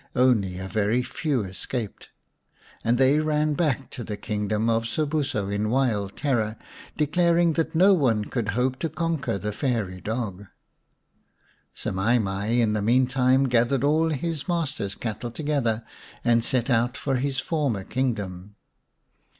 Only a very few escaped, and they ran back to the kingdom of Sobuso 180 xv The Story of Semai mai in wild terror, declaring that no one could hope to conquer the fairy dog. Semai mai in the meantime gathered all his master's cattle together and set out for his former kingdom.